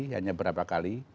hanya beberapa kali